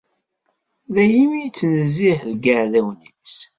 Daymi i yettnezzih deg yiεdawen-is.